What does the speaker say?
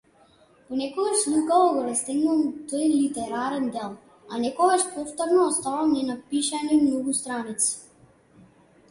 Понекогаш лукаво го растегнувам тој литерарен дел, а некогаш повторно оставам ненапишани многу страници.